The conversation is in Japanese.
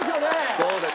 そうです。